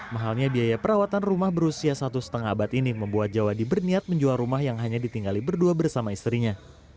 mahalnya biaya perawatan rumah berusia satu lima abad ini membuat jawa di berniat menjual rumah yang hanya ditinggali berdua bersama istrinya